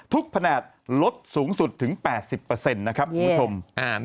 แผนกลดสูงสุดถึง๘๐นะครับคุณผู้ชม